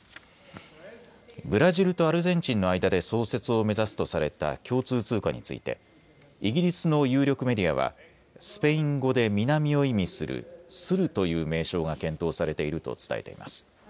ブラジルとアルゼンチンの間で創設を目指すとされた共通通貨についてイギリスの有力メディアはスペイン語で南を意味するスルという名称が検討されていると伝えています。